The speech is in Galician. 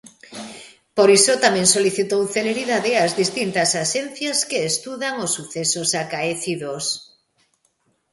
Por iso tamén solicitou celeridade as distintas axencias que estudan os sucesos acaecidos.